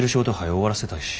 終わらせたいし。